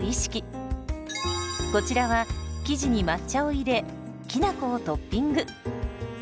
こちらは生地に抹茶を入れきなこをトッピング。